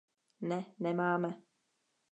Ne, nemáme.